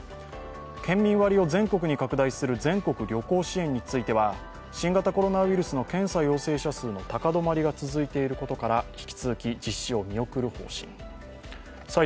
県民割を全国に拡大する全国旅行支援については新型コロナウイルスの検査陽性者数の高止まりが続いていることから引き続き実施を見送る方針です。